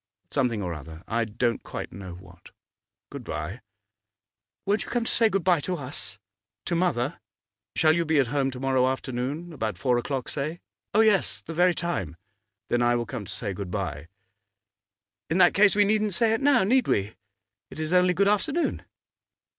'Something or other, I don't quite know what. Good bye!' 'Won't you come to say good bye to us to mother?' 'Shall you be at home to morrow afternoon, about four o'clock say?' 'Oh, yes; the very time.' 'Then I will come to say good bye.' 'In that case we needn't say it now, need we? It is only good afternoon.